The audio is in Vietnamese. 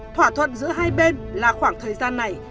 thỏa thuận giữa hai bên là khoảng thời gian này